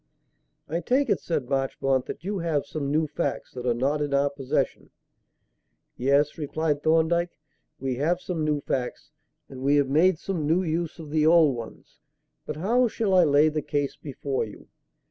"I take it," said Marchmont, "that you have some new facts that are not in our possession?" "Yes," replied Thorndyke; "we have some new facts, and we have made some new use of the old ones. But how shall I lay the case before you?